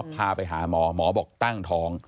พาไปหาหมอหมอบอกตั้งท้อง